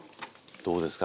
どうですか